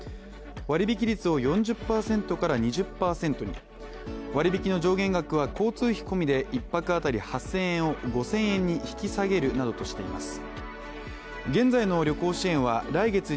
割引率を４０％から２０％に、割引の上限額は交通費込みで１泊８０００円を５０００円に引き下げるなどとしています。